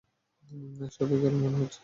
সবেই গেল মনে হচ্ছে।